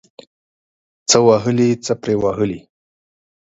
څه وهلي ، څه پري وهلي.